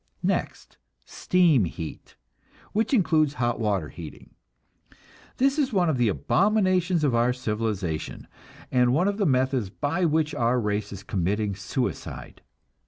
Next, steam heat, which includes hot water heating. This is one of the abominations of our civilization, and one of the methods by which our race is committing suicide.